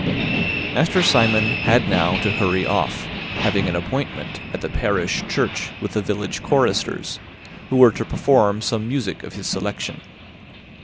Master Simon had now to hurry off, having an appointment at the parish church with the village choristers, who were to perform some music of his selection.